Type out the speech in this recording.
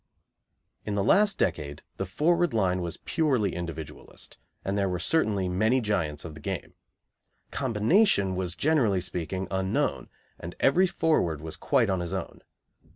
In the last decade the forward line was purely individualist, and there were certainly many giants of the game. Combination was, generally speaking, unknown, and every forward was quite on his own.